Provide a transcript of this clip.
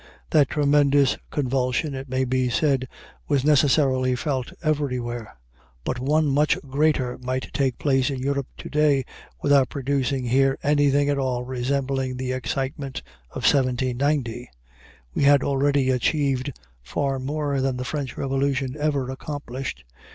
That tremendous convulsion, it may be said, was necessarily felt everywhere; but one much greater might take place in Europe to day without producing here anything at all resembling the excitement of 1790. We had already achieved far more than the French revolution ever accomplished.